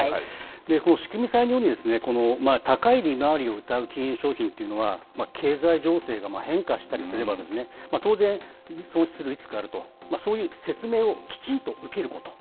この仕組み債のように、この高い利回りをうたう金融商品というのは、経済情勢が変化したりすれば、当然、損失リスクがあると、そういう説明をきちんと受けること。